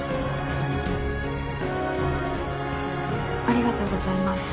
ありがとうございます。